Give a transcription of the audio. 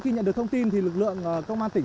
khi nhận được thông tin thì lực lượng công an tỉnh